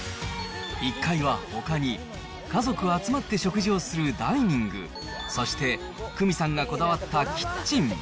１階はほかに、家族集まって食事をするダイニング、そして倉実さんがこだわったキッチン。